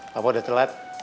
papa udah telat